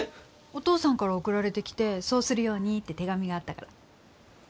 お父さんから送られてきてそうするようにって手紙があったから。